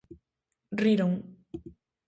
Riron.